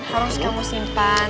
harus kamu simpan